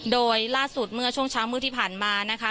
โดยล่าสุดเมื่อช่วงเช้ามืดที่ผ่านมานะคะ